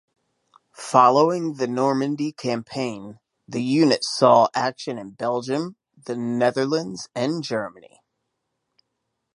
Following the Normandy campaign the unit saw action in Belgium, the Netherlands and Germany.